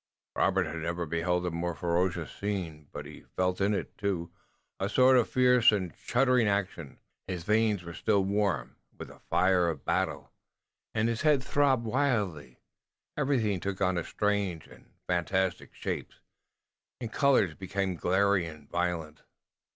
Robert had never beheld a more ferocious scene but he felt in it, too, a sort of fierce and shuddering attraction. His veins were still warm with the fire of battle, and his head throbbed wildly. Everything took on strange and fantastic shapes, and colors became glaring and violent.